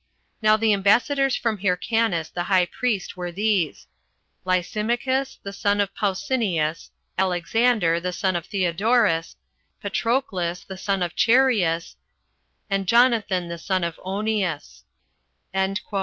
Now the ambassadors from Hyrcanus the high priest were these: Lysimachus, the son of Pausanias, Alexander, the son of Theodorus, Patroclus, the son of Chereas, and Jonathan the son of Onias." 11.